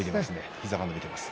膝が伸びています。